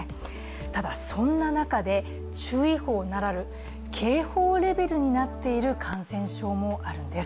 ただそんな中で、注意報ならぬ警報レベルになっている感染症もあるんです。